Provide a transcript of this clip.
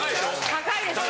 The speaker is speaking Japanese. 高いですよね？